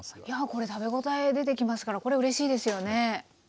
いやこれ食べ応え出てきますからこれうれしいですよね？